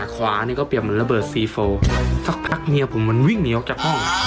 ขวานี่ก็เปรียบเหมือนระเบิดซีโฟสักพักเมียผมมันวิ่งหนีออกจากห้อง